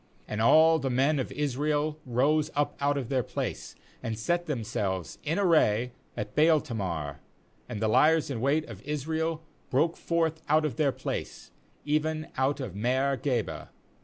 ^And all the men of Israel rose up out of their place, and set themselves in array at Baal tamar; and the liers in wait of Israel broke forth out of their place, even out of Maareh geba.